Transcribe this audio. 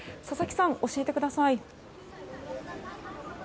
佐々木さん、教えてください。